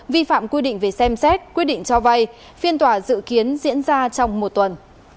vi phạm quy định về xem xét quyết định cho vay phiên tòa dự kiến diễn ra trong một tuần